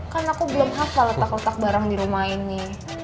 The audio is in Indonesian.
kan aku belum hafal letak letak barang di rumah ini